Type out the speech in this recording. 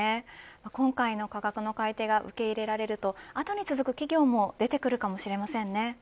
今回の価格の改定が受け入れられるとあとに続く企業も出てくるかもしれませんね。